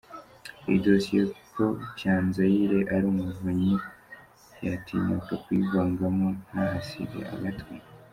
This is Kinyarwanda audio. Iyi dosiye ko Cyanzayire ari umuvunyi yatinyuka kuyivangamo ntahasige agatwe?